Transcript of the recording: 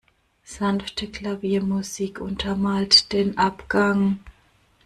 Sanfte Klaviermusik untermalt den Abgang.